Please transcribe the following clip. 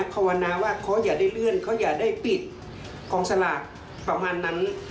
ภาวนาว่าเขาอย่าได้เลื่อนเขาอย่าได้ปิดกองสลากประมาณนั้น